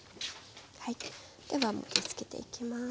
では盛りつけていきます。